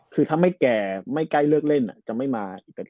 คือถ้าไม่แก่เลิกเล่นจะไม่มาอังกฤษ